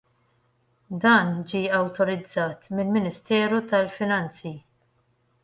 Dan ġie awtorizzat mill-Ministeru tal-Finanzi.